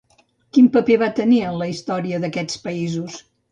Quin paper va tenir en la història d'aquests països?